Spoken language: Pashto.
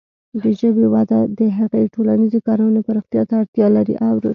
د ژبې وده د هغې د ټولنیزې کارونې پراختیا ته اړتیا لري.